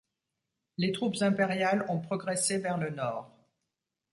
Les troupes impériales ont progressé vers le nord.